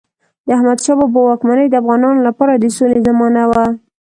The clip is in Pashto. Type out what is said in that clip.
د احمدشاه بابا واکمني د افغانانو لپاره د سولې زمانه وه.